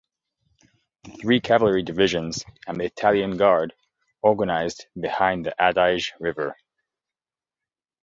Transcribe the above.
The three cavalry divisions and the Italian Guard organized behind the Adige river.